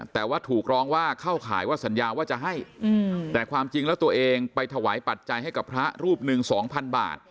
แต่ว่าถูกร้องว่าเข้าข่ายว่าสัญญาว่าจะให้แต่ความจริงแล้วตัวเองไปถวายปัจจัยให้กับพระรูปหนึ่งสองพันบาท